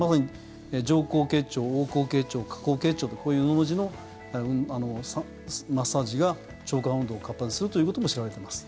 上行結腸、横行結腸、下行結腸とこういう「の」の字のマッサージが腸管運動を活発するということも知られています。